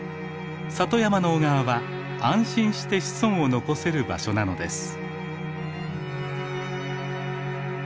里山の小川は安心して子孫を残せる場所なのです。